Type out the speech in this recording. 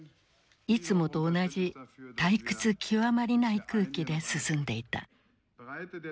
いつもと同じ退屈極まりない空気で進んでいた。